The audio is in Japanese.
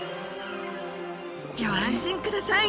ギョ安心ください